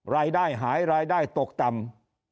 รายได้หายรายได้ตกต่ำ